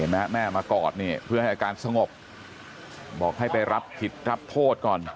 แม่มากอดเนี่ยเพื่อให้อาการสงบบอกให้ไปรับผิดรับโทษก่อน